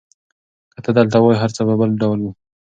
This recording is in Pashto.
که ته دلته وای، هر څه به بل ډول وو.